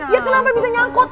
ya kenapa bisa nyangkut